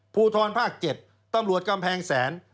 ภูทรภาค๗ตำรวจกำแพงแสน